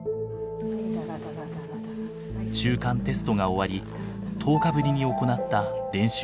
中間テストが終わり１０日ぶりに行った練習中でした。